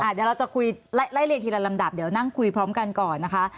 เดี๋ยวเราจะคุยไล่เลียงทีละลำดับเดี๋ยวนั่งคุยพร้อมกันก่อนนะคะ